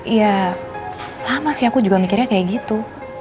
ya sama sih aku juga mikirnya kayak gitu